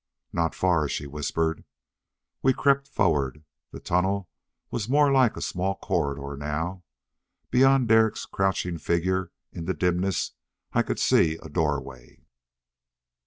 "Not far," she whispered. We crept forward. The tunnel was more like a small corridor now. Beyond Derek's crouching figure, in the dimness I could see a doorway.